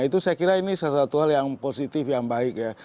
itu saya kira ini salah satu hal yang positif yang baik